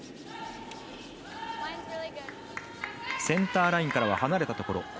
センターラインからは離れたところ。